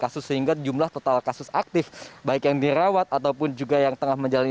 kasus sehingga jumlah total kasus aktif baik yang dirawat ataupun juga yang tengah menjalani